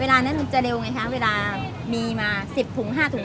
เวลานั้นมันจะเร็วไงคะเวลามีมา๑๐ถุง๕ถุง